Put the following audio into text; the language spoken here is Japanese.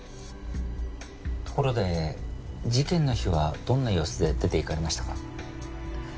ところで事件の日はどんな様子で出て行かれましたか？